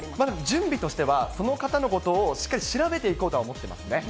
準備としては、その方のことをしっかり調べていこうとは思ってますね。